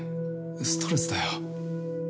ストレスだよ。